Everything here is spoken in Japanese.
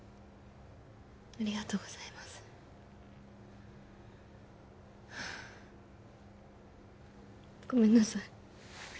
ありがとうございますごめんなさい